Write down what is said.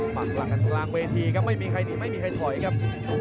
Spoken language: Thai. ปากหลักกันกลางเวทีครับไม่มีใครหนีไม่มีใครถอยครับ